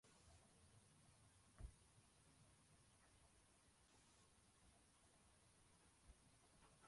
Umugabo afashe umwana ku bibero atwaye ikamyo